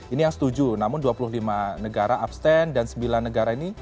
ini yang setuju namun dua puluh lima negara abstain dan sembilan negara ini